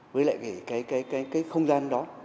với lại cái không gian đó